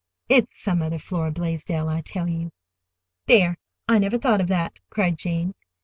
It's some other Flora Blaisdell, I tell you." "There, I never thought of that," cried Jane.